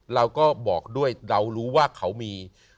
เราก็บอกด้วยเรารู้ว่าเขามี